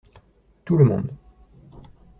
Tout le monde.